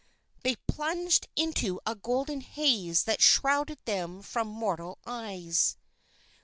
They plunged into a golden haze that shrouded them from mortal eyes.